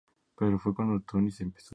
Se formó primero en Chinon y luego en París.